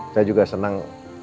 saya juga senang